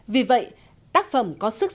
vì vậy tác phẩm có sức sở